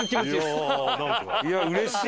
いやあうれしい。